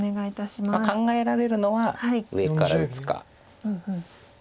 考えられるのは上から打つか。